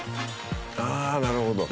ああなるほど。